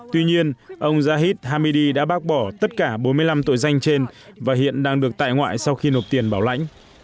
tuy nhiên ông jahid hamidi đã bác bỏ tất cả bốn mươi năm tội danh trên và hiện đang được tại ngoại sau khi nộp tiền bảo lãnh